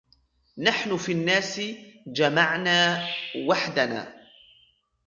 نحن في الناس جمعنا وحدنا